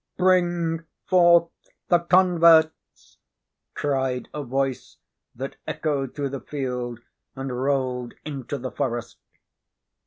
"Bring forth the converts!" cried a voice that echoed through the field and rolled into the forest.